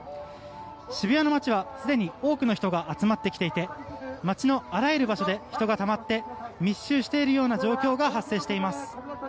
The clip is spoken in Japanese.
渋谷の街はすでに多くの人が集まってきていて街のあらゆる場所で人がたまって密集しているような状況が発生しています。